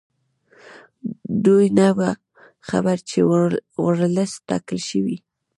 دوی نه وو خبر چې ورلسټ ټاکل شوی.